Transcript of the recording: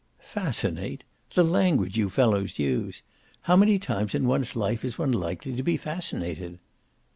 "'Fascinate' the language you fellows use! How many times in one's life is one likely to be fascinated?"